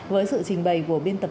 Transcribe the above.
với sự trình bày của biên tập